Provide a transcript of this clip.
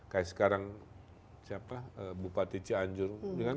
kayak sekarang siapa bupati cianjur